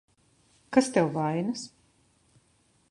Kas tev vainas?